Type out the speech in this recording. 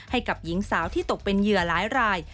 ให้กับหญิงสาวที่ตกเป็นเหยื่อหลายราย